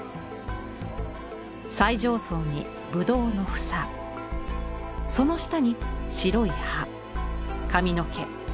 最上層にぶどうの房その下に白い葉髪の毛